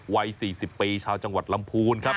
วัย๔๐ปีชาวจังหวัดลำพูนครับ